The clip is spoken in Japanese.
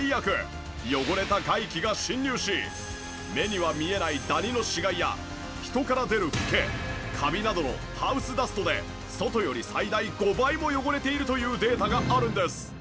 汚れた外気が侵入し目には見えないダニの死骸や人から出るフケカビなどのハウスダストで外より最大５倍も汚れているというデータがあるんです。